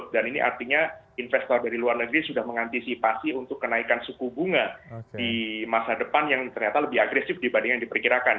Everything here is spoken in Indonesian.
dan ini artinya investor dari luar negeri sudah mengantisipasi untuk kenaikan suku bunga di masa depan yang ternyata lebih agresif dibanding yang diperkirakan